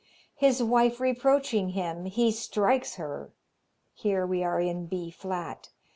His wife reproaching him, he strikes her. Here we are in B flat.